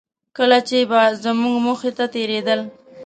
کله چې به زموږ مخې ته تېرېدل.